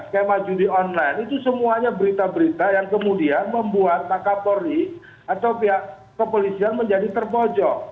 skema judi online itu semuanya berita berita yang kemudian membuat pak kapolri atau pihak kepolisian menjadi terpojok